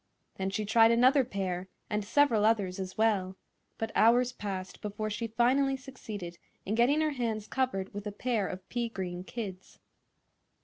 Then she tried another pair, and several others, as well; but hours passed before she finally succeeded in getting her hands covered with a pair of pea green kids.